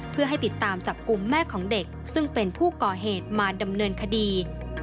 เพื่อให้ติดตามจับกลุ่มแม่ของเด็กซึ่งเป็นผู้ก่อเหตุมาดำเนินคดี